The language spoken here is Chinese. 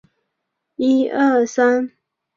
疏花绣线梅为蔷薇科绣线梅属下的一个种。